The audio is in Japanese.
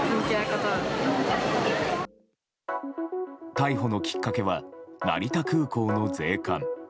逮捕のきっかけは成田空港の税関。